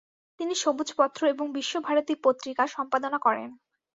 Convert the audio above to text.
তিনি সবুজপত্র এবং বিশ্বভারতী পত্রিকা সম্পাদনা করেন।